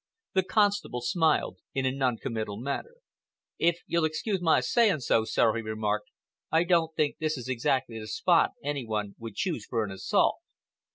The constable smiled in a non committal manner. "If you'll excuse my saying so, sir," he remarked, "I don't think this is exactly the spot any one would choose for an assault."